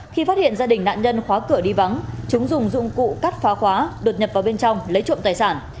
khi phát hiện gia đình nạn nhân khóa cửa đi vắng chúng dùng dụng cụ cắt phá khóa đột nhập vào bên trong lấy trộm tài sản